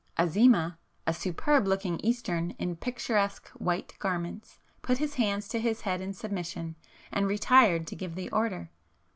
Azimah, a superb looking Eastern in picturesque white garments, put his hands to his head in submission and retired to give the order.